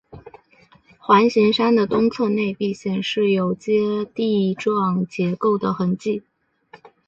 环形山的东侧内壁显示有阶地状结构的痕迹。